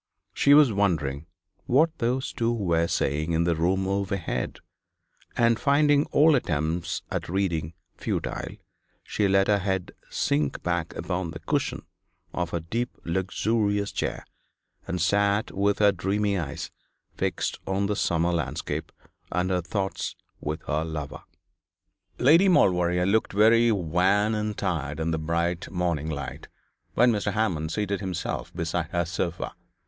She was wondering what those two were saying in the room overhead, and finding all attempts at reading futile, she let her head sink back upon the cushion of her deep luxurious chair, and sat with her dreamy eyes fixed on the summer landscape and her thoughts with her lover. Lady Maulevrier looked very wan and tired in the bright morning light, when Mr. Hammond seated himself beside her sofa.